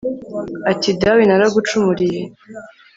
ati :« dawe naragucumuriye